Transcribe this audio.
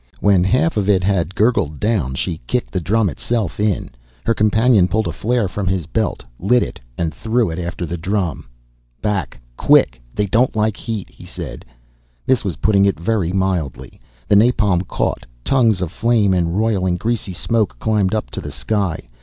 When half of it had gurgled down, she kicked the drum itself in. Her companion pulled a flare from his belt, lit it, and threw it after the drum. "Back quick. They don't like heat," he said. This was putting it very mildly. The napalm caught, tongues of flame and roiling, greasy smoke climbed up to the sky.